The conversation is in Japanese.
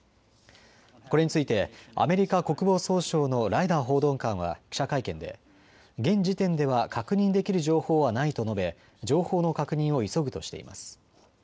これについてアメリカ国防総省のライダー報道官は記者会見で現時点では確認できる情報はないと述べ情報の確認を急ぐとしています。